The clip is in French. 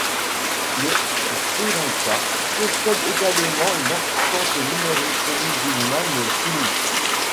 Le Sri Lanka possède également une importante minorité musulmane sunnite.